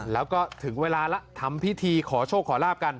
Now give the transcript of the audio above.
แล้วก็ถึงเวลาแล้วทำพิธีขอโชคขอลาบกัน